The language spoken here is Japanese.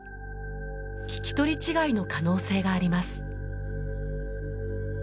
聞き取り違いの可能性があります。